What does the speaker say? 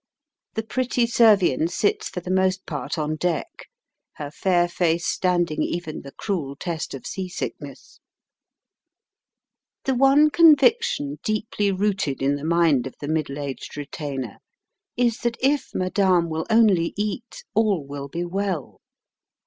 The pretty Servian sits for the most part on deck, her fair face standing even the cruel test of sea sickness. The one conviction deeply rooted in the mind of the middle aged retainer is that if madame will only eat, all will be well.